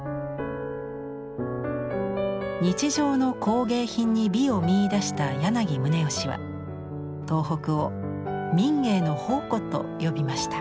日常の工芸品に美を見いだした柳宗悦は東北を民芸の宝庫と呼びました。